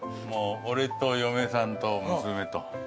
もう俺と嫁さんと娘と。